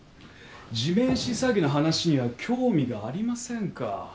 地面師詐欺の話には興味がありませんか？